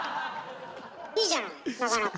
いいじゃない！